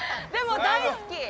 でも大好き。